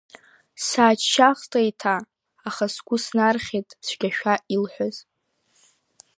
Сааччахт еиҭа, аха сгәы снархьит цәгьашәа илҳәаз.